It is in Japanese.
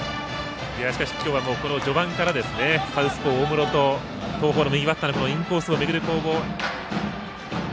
しかし今日は序盤からサウスポーの大室と東邦のバッターのインコースを巡る攻防。